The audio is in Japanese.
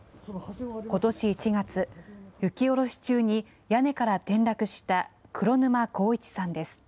ことし１月、雪下ろし中に屋根から転落した黒沼孝一さんです。